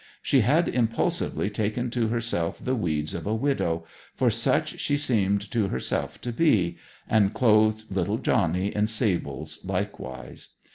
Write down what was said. She had impulsively taken to herself the weeds of a widow, for such she seemed to herself to be, and clothed little Johnny in sables likewise.